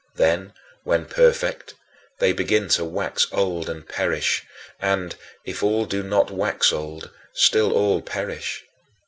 Then, when perfect, they begin to wax old and perish, and, if all do not wax old, still all perish.